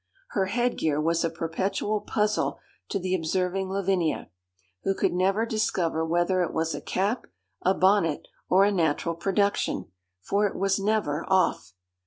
Her head gear was a perpetual puzzle to the observing Lavinia, who could never discover whether it was a cap, a bonnet, or a natural production, for it was never off.